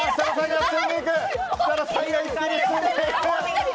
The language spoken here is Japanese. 設楽さんが一気に積んでいく！